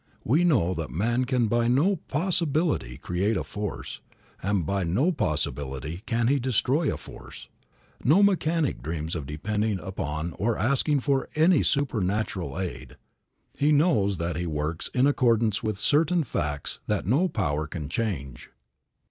We know that man can by no possibility create a force; that by no possibility can he destroy a force. No mechanic dreams of depending upon or asking for any supernatural aid. He knows that he works in accordance with certain facts that no power can change.